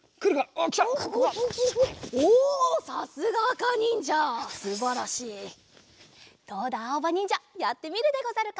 あおばにんじゃやってみるでござるか？